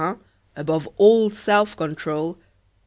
(Above all self control.)